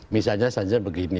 misalnya saja begini